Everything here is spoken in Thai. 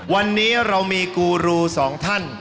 วันนี้เรามีกูรูสองท่าน